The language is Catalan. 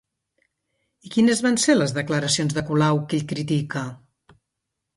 I quines van ser les declaracions de Colau que ell critica?